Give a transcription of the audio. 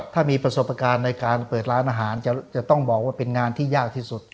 ถ้ามีประสบการณ์ในการเปิดร้านอาหารจะต้องบอกว่าเป็นงานที่ยากที่สุด